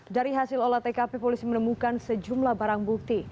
dari hasil olah tkp polisi menemukan sejumlah barang bukti